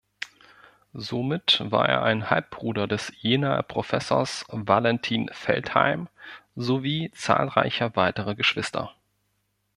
Somit war er ein Halbbruder des Jenaer Professors Valentin Veltheim, sowie zahlreicher weiterer Geschwister.